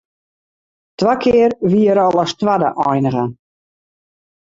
Twa kear wie er al as twadde einige.